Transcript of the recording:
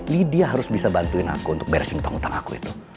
ly dia harus bisa bantuin aku untuk beresin utang utang aku itu